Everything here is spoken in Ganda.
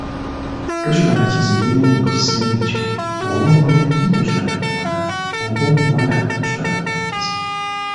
Tosula na kizibwe wo mu kisengekyo, bw’oba omulenzi tosula namuwala, bw’oba omuwala tosula namulenzi.